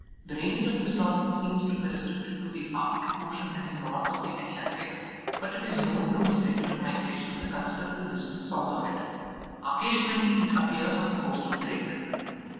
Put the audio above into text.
The range of this Dolphin seems to be restricted to the Arctic Ocean and the north of the Atlantic, but it is known to make regular migrations a considerable distance south of it. Occasionally it appears on the coast of Great Britain.